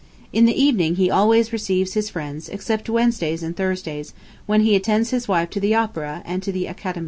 In the evening he always receives his friends except Wednesdays and Thursdays, when he attends his wife to the opera and to the Académie.